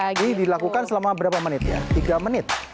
ini dilakukan selama berapa menit ya tiga menit